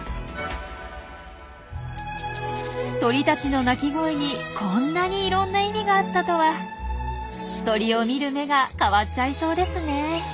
鳥たちの鳴き声にこんなにいろんな意味があったとは鳥を見る目が変わっちゃいそうですねえ。